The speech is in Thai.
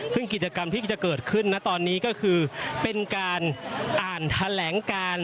ซึ่งกิจกรรมที่จะเกิดขึ้นนะตอนนี้ก็คือเป็นการอ่านแถลงการ